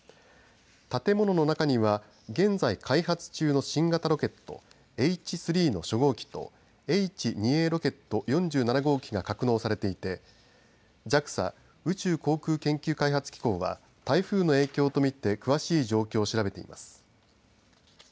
建物の中には現在開発中の新型ロケットＨ３の初号機とＨ２Ａロケット４７号機が格納されていてＪＡＸＡ宇宙航空研究開発機構は台風の影響とみて詳しい状況を調べています。